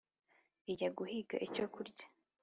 ijya guhiga icyo kurya,